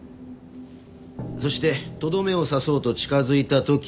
そしてとどめを刺そうと近づいたとき。